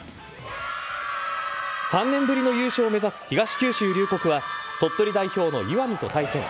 ３年ぶりの優勝を目指す東九州龍谷は鳥取代表の岩美と対戦。